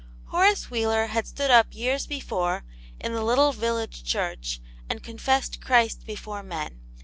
HORACE WHEELER had stood up years be fore, in the little village church, and confessed Christ before men.